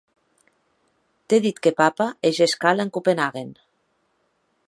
T'è dit que papa hège escala en Copenhaguen.